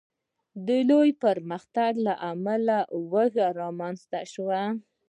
د لوی پرمختګ له امله لوږه رامنځته شوه.